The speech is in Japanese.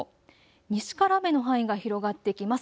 西から雨の範囲が広がってきます。